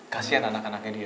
kasian anak anaknya dia